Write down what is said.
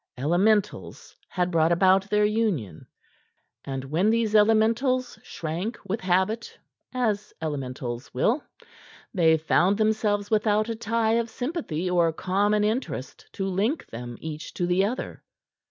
Elementals had brought about their union; and when these elementals shrank with habit, as elementals will, they found themselves without a tie of sympathy or common interest to link them each to the other.